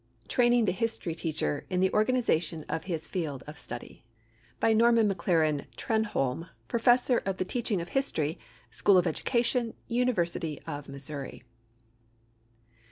Training the History Teacher The Organization of His Field of Study BY NORMAN MACLAREN TRENHOLME, PROFESSOR OF THE TEACHING OF HISTORY, SCHOOL OF EDUCATION, UNIVERSITY OF MISSOURI.